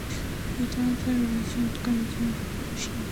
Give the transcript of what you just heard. He stabs RaRoche to death with a shank which Winston had given him.